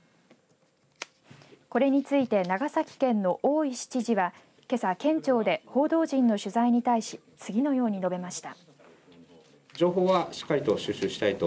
これについて長崎県の大石知事はけさ県庁で報道陣の取材に対し次のように述べました。